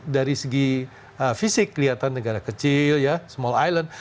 dari segi fisik kelihatan negara kecil ya small island